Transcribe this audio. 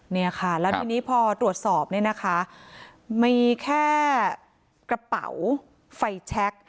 เนี่ยค่ะแล้วทีนี้พอตรวจสอบเนี่ยนะคะมีแค่กระเป๋าไฟแชค